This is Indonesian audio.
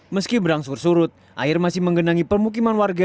meski berangsur surut air masih menggenangi permukiman warga